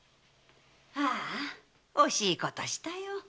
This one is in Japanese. あ惜しいことしたよ。